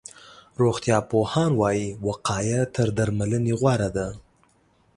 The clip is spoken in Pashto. روغتيا پوهان وایي، وقایه تر درملنې غوره ده.